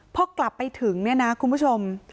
พอกลับไปถึงเนี่ยนะคุณผู้ชม